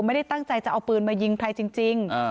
ไม่ได้ตั้งใจจะเอาปืนมายิงใครจริง